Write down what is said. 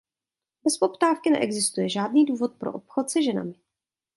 Bez poptávky neexistuje žádný důvod pro obchod se ženami.